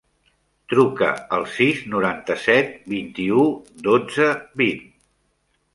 Truca al sis, noranta-set, vint-i-u, dotze, vint.